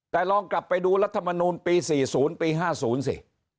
แต่ลองกลับไปดูรัฐมนูลปี๔๐ปี๕๐สิ